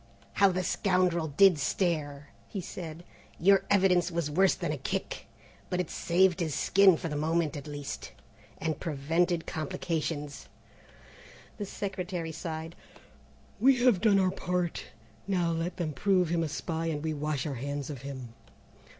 "How the scoundrel did stare," he said; "your evidence was worse than a kick, but it saved his skin for the moment at least, and prevented complications." The Secretary sighed. "We have done our part. Now let them prove him a spy and we wash our hands of him.